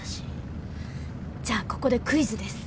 じゃあここでクイズです。